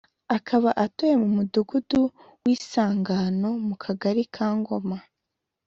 akaba atuye mu Mudugudu w’Isangano mu Kagari ka Ngoma